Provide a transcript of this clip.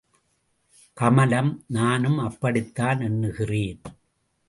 கமலம் நானும் அப்படித்தான் எண்ணுகிறேன்.